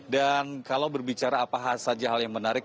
dan kalau berbicara apa saja hal yang menarik